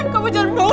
kamu jangan bunuh